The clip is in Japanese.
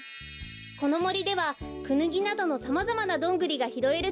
このもりではクヌギなどのさまざまなどんぐりがひろえるとおもいます。